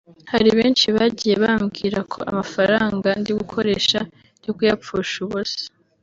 Hari benshi bagiye bambwira ko amafaranga ndigukoresha ndikuyapfusha ubusa